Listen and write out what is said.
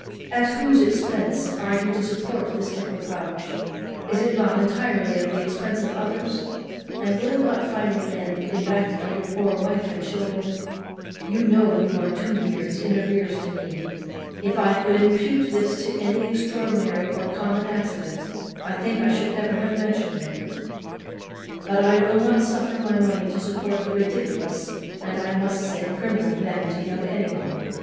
At whose expence are you to support this equipage? is it not entirely at the expence of others? and will it not finally end in that of your poor wife and children? you know you are two years in arrears to me. If I could impute this to any extraordinary or common accident I think I should never have mentioned it; but I will not suffer my money to support the ridiculous, and, I must say, criminal vanity of any one.